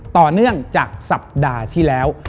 ต่อเนื่องจากสัปดาห์ที่แล้ว